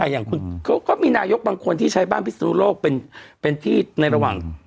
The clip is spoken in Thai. อย่างคุณเขาก็มีนายกบางคนที่ใช้บ้านพิศนุโลกเป็นที่ในระหว่าง